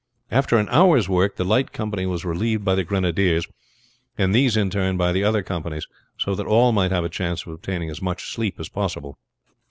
After an hour's work the light company was relieved by the grenadiers, and these in turn by the other companies, so that all might have a chance of obtaining as much sleep as possible.